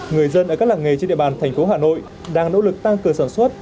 người dân ở các làng nghề trên địa bàn thành phố hà nội đang nỗ lực tăng cường sản xuất